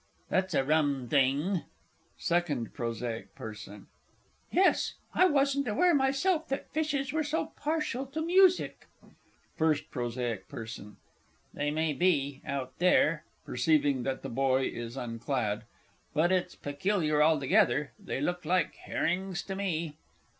That's a rum thing! SECOND P. P. Yes, I wasn't aware myself that fishes were so partial to music. FIRST P. P. They may be out there (perceiving that the boy is unclad) but it's peculiar altogether they look like herrings to me.